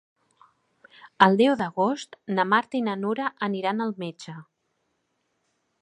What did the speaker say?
El deu d'agost na Marta i na Nura aniran al metge.